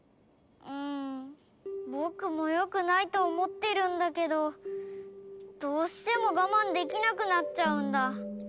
うんぼくもよくないとおもってるんだけどどうしてもがまんできなくなっちゃうんだ。